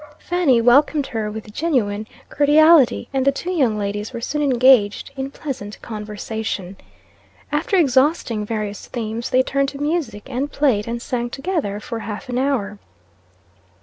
Fanny welcomed her with genuine cordiality, and the two young ladies were soon engaged in pleasant conversation. After exhausting various themes, they turned to music, and played, and sang together for half an hour.